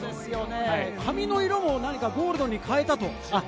髪の色もゴールドに変えたと。